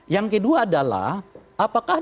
yang kedua adalah apakah